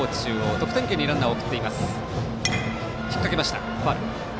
得点圏にランナーを送っています。